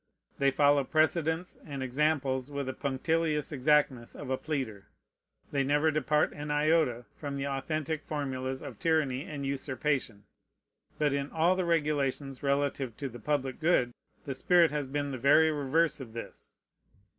They follow precedents and examples with the punctilious exactness of a pleader. They never depart an iota from the authentic formulas of tyranny and usurpation. But in all the regulations relative to the public good the spirit has been the very reverse of this.